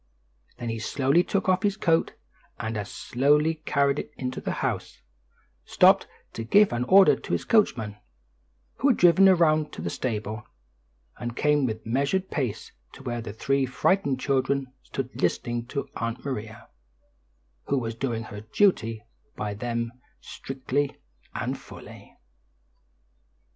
Then he slowly took off his coat, and as slowly carried it into the house, stopped to give an order to his coachman, who had driven around to the stable, and came with measured pace to where the three frightened children stood listening to Aunt Maria, who was doing her duty by them strictly and fully.